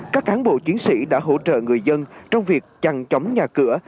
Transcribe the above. các cán bộ chiến sĩ đã hỗ trợ người dân trong việc chặn chóng nhà cửa